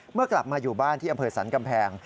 เมื่อกลับมาอยู่บ้านที่อำเภอสรรกำแพง